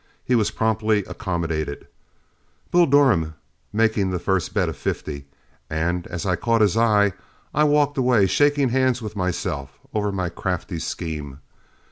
He was promptly accommodated, Bull Durham making the first bet of fifty; and as I caught his eye, I walked away, shaking hands with myself over my crafty scheme.